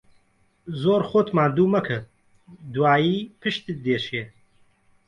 زۆر خۆت ماندوو مەکە، دوایێ پشتت دێشێ.